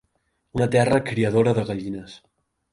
Una terra criadora de gallines.